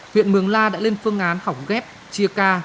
huyện mướng la đã lên phương án học ghép chia ca